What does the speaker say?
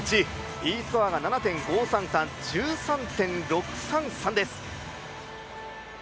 Ｅスコアが７．５３３１３．６３３です。